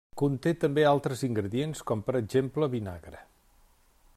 Conté també altres ingredients com per exemple vinagre.